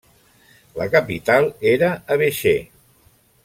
La capital era Abéché.